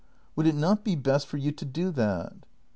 Would it not be best for you to do that